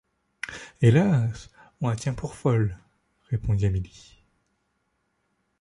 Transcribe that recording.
Hélas! on la tient pour folle... répondit Amélie.